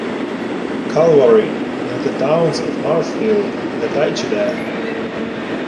Calvary, in the towns of Marshfield, and Taycheedah.